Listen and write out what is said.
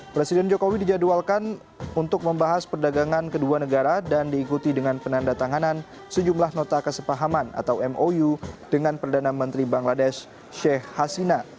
presiden jokowi dijadwalkan untuk membahas perdagangan kedua negara dan diikuti dengan penanda tanganan sejumlah nota kesepahaman atau mou dengan perdana menteri bangladesh sheikh hasina